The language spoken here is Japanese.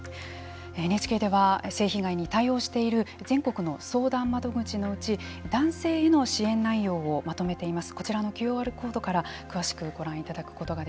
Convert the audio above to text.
ＮＨＫでは性被害に対応している全国の相談窓口のうち男性への支援内容をまとめています。